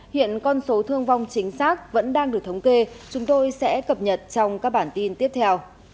hiện con số thương vong chính xác vẫn đang được thống kê